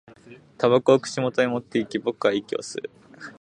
煙草を口元に持っていき、僕は息を吸う